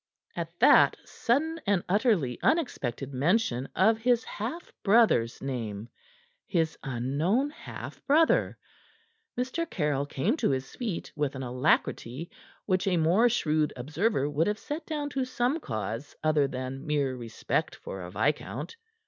At that sudden and utterly unexpected mention of his half brother's name his unknown half brother Mr. Caryll came to his feet with an alacrity which a more shrewd observer would have set down to some cause other than mere respect for a viscount.